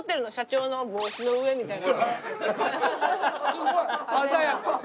すごい鮮やか。